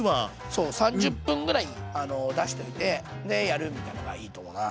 そう３０分ぐらい出しといてでやるみたいなのがいいと思うな。